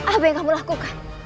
apa yang kamu lakukan